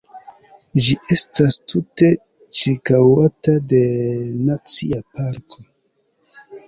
Ĝi estas tute ĉirkaŭata de nacia parko.